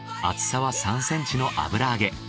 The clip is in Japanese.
厚さは３センチの油揚げ。